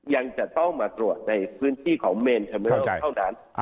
ยังจะต้องมาตรวจในพื้นที่ของเมนเทมิลเท่านั้น